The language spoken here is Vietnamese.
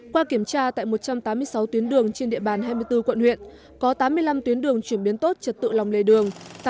qua kiểm tra tại một trăm tám mươi sáu tuyến đường trên địa bàn hai mươi bốn quận huyện có tám mươi năm tuyến đường chuyển biến tốt trật tự lòng lề đường